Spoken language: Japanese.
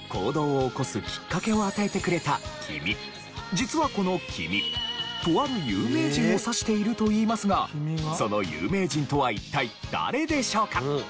実はこの「君」とある有名人を指しているといいますがその有名人とは一体誰でしょうか？